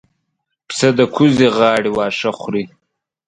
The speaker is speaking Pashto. پسه د کوزې غاړې واښه خوري.